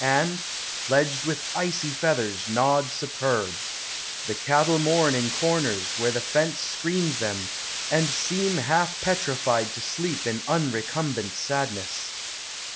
And, fledged with icy feathers, nod superb. The cattle mourn in corners, where the fence Screens them, and seem half petrified to sleep In unrecumbent sadness.